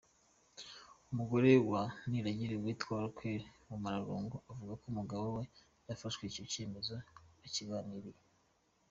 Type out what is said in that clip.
Umugore wa Niragire witwa Rachel Mumararungu, avuga ko umugabo we yafashe icyo cyemezo bakiganiriye.